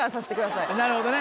なるほどね。